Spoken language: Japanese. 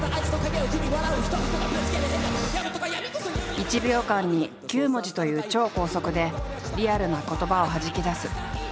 １秒間に９文字という超高速でリアルな言葉をはじき出す。